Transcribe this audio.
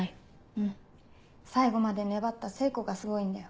うん最後まで粘った聖子がすごいんだよ。